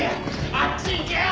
あっち行けよ！